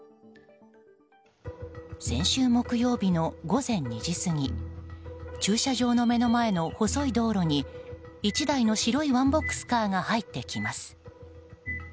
先週木曜日の午前２時過ぎ駐車場の目の前の細い道路に１台の白いワンボックスカーが入ってきます。